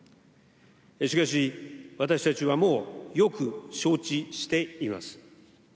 しかし、私たちはもう、よく承知しています。